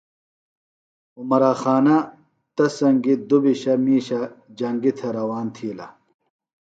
عمراخانہ تس سنگیۡ دُبھشہ مِیشہ جنگی تھےۡ روان تِھیلہ